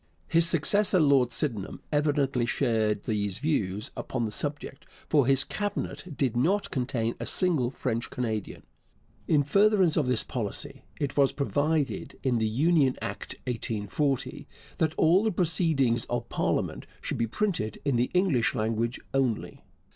His successor, Lord Sydenham, evidently shared these views upon the subject, for his Cabinet did not contain a single French Canadian. In furtherance of this policy it was provided in the Union Act (1840) that all the proceedings of parliament should be printed in the English language only.